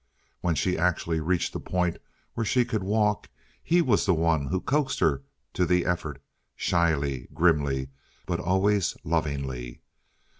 When she actually reached the point where she could walk he was the one who coaxed her to the effort, shyly, grimly, but always lovingly.